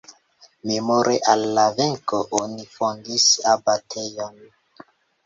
Memore al la venko oni fondis abatejon.